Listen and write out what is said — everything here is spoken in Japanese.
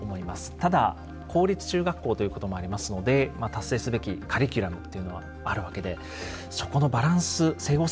ただ公立中学校ということもありますので達成すべきカリキュラムというのはあるわけでそこのバランス整合性